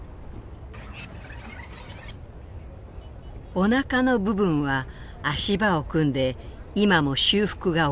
おなかの部分は足場を組んで今も修復が行われているようね。